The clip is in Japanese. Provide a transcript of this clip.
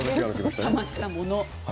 冷ましたもの。